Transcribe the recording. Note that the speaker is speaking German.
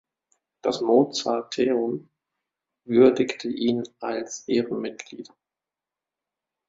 Das Mozarteum würdigte ihn als Ehrenmitglied.